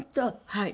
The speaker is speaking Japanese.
はい。